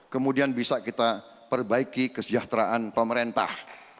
kemudian bisa kita perbaiki kesejahteraan pemerintah